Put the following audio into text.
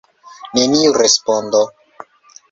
Neniu respondo!